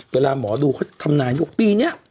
เวลาหมอดูเขาจะทำนายนี่บอกปีนี้